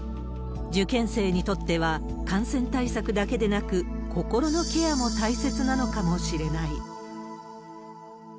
受験生にとっては感染対策だけでなく、心のケアも大切なのかもしれない。